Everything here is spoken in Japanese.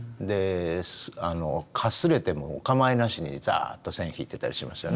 かすれてもおかまいなしにざっと線引いてたりしますよね。